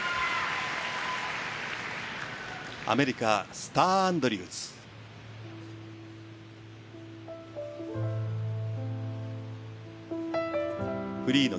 アメリカスター・アンドリューズ。